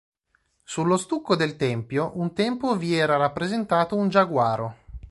Sullo stucco del tempio un tempo vi era rappresentato un giaguaro.